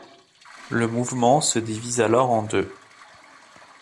Le mouvement se divise alors en deux.